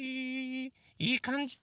いいかんじ。